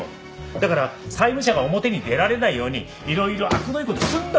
だから債務者が表に出られないようにいろいろあくどい事するんだよ！